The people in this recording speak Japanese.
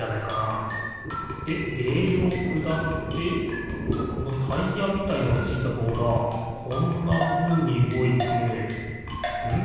でレールをくだってこのタイヤみたいなのついたぼうがこんなふうにうごいてん？